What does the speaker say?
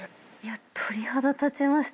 鳥肌立ちました。